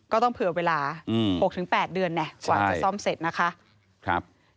ก็ต้องเผื่อเวลา๖๘เดือนกว่าจะซ่อมเสร็จนะคะ